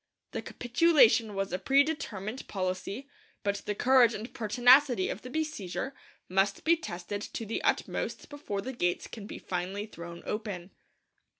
The capitulation was a predetermined policy; but the courage and pertinacity of the besieger must be tested to the utmost before the gates can be finally thrown open.